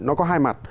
nó có hai mặt